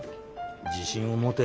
自信を持て。